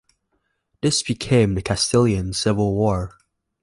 This became the Castilian Civil War.